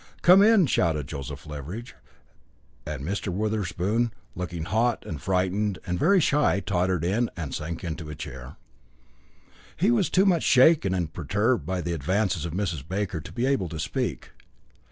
"Come in," shouted Joseph Leveridge, and Mr. Wotherspoon, looking hot and frightened and very shy, tottered in and sank into a chair. He was too much shaken and perturbed by the advances of Mrs. Baker to be able to speak.